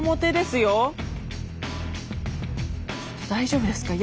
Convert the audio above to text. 大丈夫ですか？